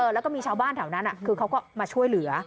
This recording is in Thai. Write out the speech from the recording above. แล้วก็มีชาวบ้านแถวนั้นคือเขาก็มาช่วยเหลือ